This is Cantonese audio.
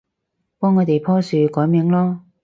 幫我哋棵樹改名囉